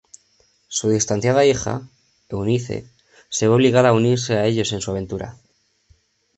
Su distanciada hija, Eunice, se ve obligada a unirse a ellos en su aventura.